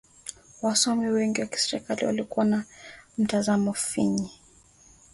wasomi wengi wa kisheria walikuwa na mtazamo finyu